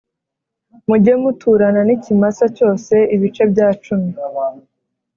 Mujye muturana n ikimasa cyose ibice bya cumi